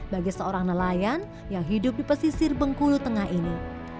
bagi seorang nelayan yang hidup di pesisir bengkulu tengah ini